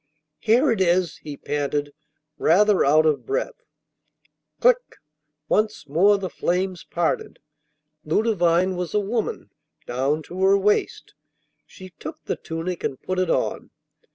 'Here it is,' he panted, rather out of breath. 'Clic!' once more the flames parted. Ludovine was a woman down to her waist. She took the tunic and put it on.